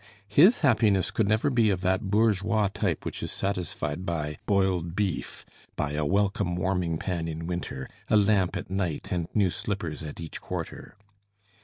His happiness could never be of that bourgeois type which is satisfied by boiled beef, by a welcome warming pan in winter, a lamp at night and new slippers at each quarter.